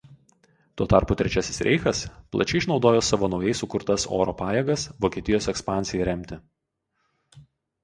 Tuo tarpu Trečiasis Reichas plačiai išnaudojo savo naujai sukurtas oro pajėgas Vokietijos ekspansijai remti.